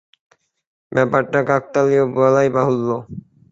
ব্যাপারটা কাকতালীয়, বলাই বাহুল্য।